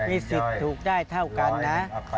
มีสิทธิ์ถูกได้เท่ากันนะ